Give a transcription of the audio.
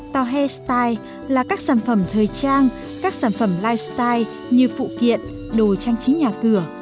tòa hê style là các sản phẩm thời trang các sản phẩm lifestyle như phụ kiện đồ trang trí nhà cửa